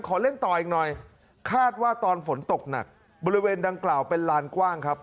เล่นต่ออีกหน่อยคาดว่าตอนฝนตกหนักบริเวณดังกล่าวเป็นลานกว้างครับ